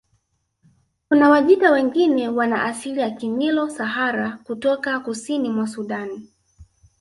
Kuna Wajita wengine wana asili ya Kinilo Sahara kutoka kusini mwa Sudan